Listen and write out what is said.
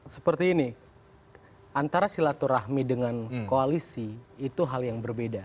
seperti ini antara silaturahmi dengan koalisi itu hal yang berbeda